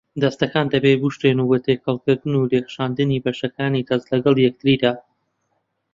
دەستەکان دەبێت بشورێن بە تێکەڵکردن و لێکخشاندنی بەشەکانی دەست لەگەڵ یەکتردا.